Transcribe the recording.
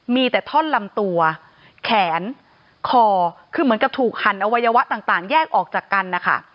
มีแต่ท่อนลำตัวแขนคอคือเหมือนกับถูกหั่นอวัยวะต่างแยกออกจากกันนะคะ